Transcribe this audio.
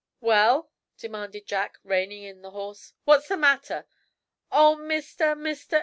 "Well," demanded Jack, reining in the horse, "what's the matter?" "Oh, mister, mister!